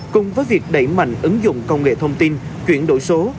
cùng với việc đẩy mạnh ứng dụng công nghệ thông tin chuyển đổi số